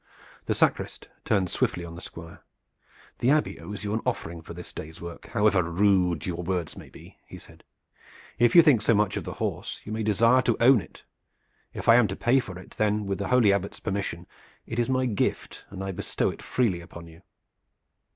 The sacrist turned swiftly on the Squire. "The Abbey owes you an offering for this day's work, however rude your words may be," said he. "If you think so much of the horse, you may desire to own it. If I am to pay for it, then with the holy Abbot's permission it is in my gift and I bestow it freely upon you."